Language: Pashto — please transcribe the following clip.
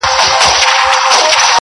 فخر په پلار او په نیکونو کوي.!